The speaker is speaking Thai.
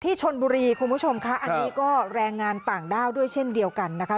ชนบุรีคุณผู้ชมค่ะอันนี้ก็แรงงานต่างด้าวด้วยเช่นเดียวกันนะคะ